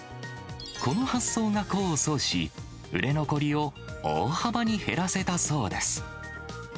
この発想が功を奏し、売れ残りを大幅に減らせたそうです。